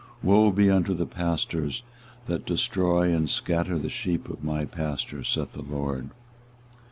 24:023:001 Woe be unto the pastors that destroy and scatter the sheep of my pasture! saith the LORD.